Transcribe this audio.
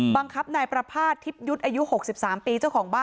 บังคับนายประพาททิพยุทธไอยุ๖๓ปี